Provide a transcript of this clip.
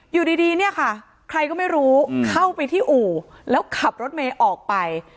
อยู่ดีเนี่ยค่ะใครก็ไม่รู้เข้าไปที่อู่แล้วขับรถเมย์ออกไป